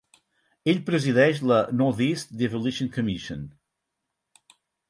Ell presideix la "North East Devolution Commission".